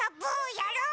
やる！